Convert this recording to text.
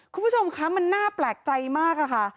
คุณผู้ชมคะมันน่าแปลกใจมากค่ะ